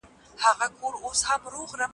کوم احساسات تر ډېره د ژړا له لاري بهر کېږي؟